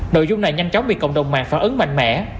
nội dung này nhanh chóng bị cộng đồng mạng phản ứng mạnh mẽ